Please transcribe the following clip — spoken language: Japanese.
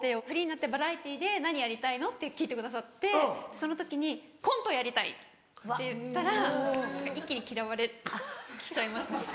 フリーになってバラエティーで何やりたいの？って聞いてくださってその時に「コントやりたい」って言ったら一気に嫌われちゃいました。